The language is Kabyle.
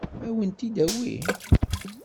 Ad wen-t-id-tawi?